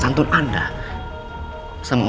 sampai jumpa di video selanjutnya